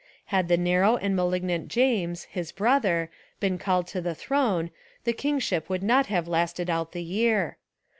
Had the narrow and malignant James, his brother, been called to the throne, the kingship could not have lasted out the year.